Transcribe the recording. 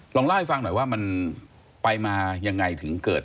ลองเล่าให้ฟังหน่อยว่ามันไปมายังไงถึงเกิด